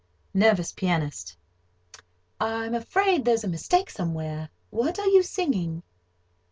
NERVOUS PIANIST: "I'm afraid there's a mistake somewhere. What are you singing?"